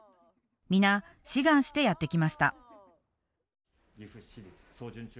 皆志願してやって来ました。